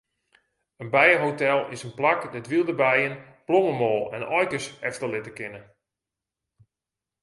In bijehotel is in plak dêr't wylde bijen blommemoal en aaikes efterlitte kinne.